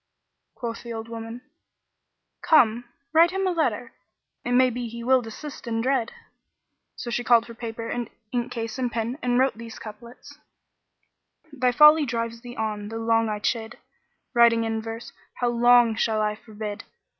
Quoth the old woman, "Come, write him a letter; it may be he will desist in dread." So she called for paper and ink case and pen and wrote these couplets, "Thy folly drives thee on though long I chid, * Writing in verse: how long shall I forbid?